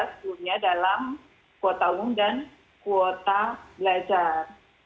tentunya dalam kuota umum dan kuota belajar